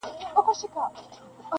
هر څوک خپله کيسه جوړوي او حقيقت ګډوډېږي